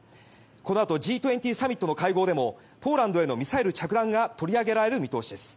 このあとＧ２０サミットの会合でもポーランドへのミサイル着弾が取り上げられる見通しです。